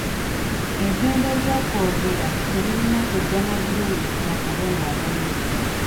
Eddembe ly'okwogera teririna kujja na bulumi na kubonaabona.